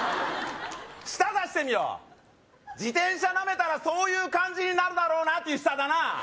舌出してみろ自転車なめたらそういう感じになるだろうなっていう舌だな